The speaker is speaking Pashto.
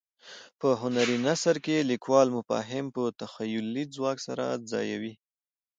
په هنري نثر کې لیکوال مفاهیم په تخیلي ځواک سره ځایوي.